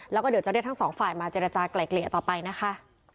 แล้วก็เดี๋ยวจะเรียกทั้งสองฝ่ายมาเจรจากลายเกลี่ยต่อไปนะคะ